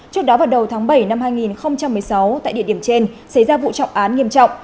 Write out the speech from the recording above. trước đó vào đầu tháng bảy năm hai nghìn một mươi sáu tại địa điểm trên xảy ra vụ trọng án nghiêm trọng